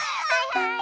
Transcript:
はい。